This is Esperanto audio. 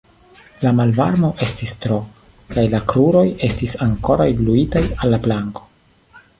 La malvarmo estis tro, kaj la kruroj estis ankoraŭ gluitaj al la planko.